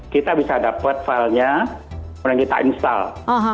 kita bisa dapat filenya kemudian kita install